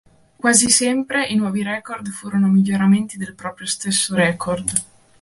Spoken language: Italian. Quasi sempre i nuovi record furono miglioramenti del proprio stesso record.